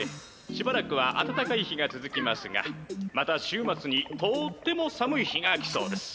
しばらくはあたたかい日がつづきますがまたしゅうまつにとっても寒い日が来そうです」。